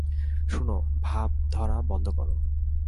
শুনো, ভাব ধরা বন্ধ করো।